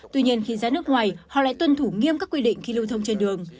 tuy nhiên khi ra nước ngoài họ lại tuân thủ nghiêm các quy định khi lưu thông trên đường